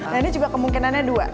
nah ini juga kemungkinannya dua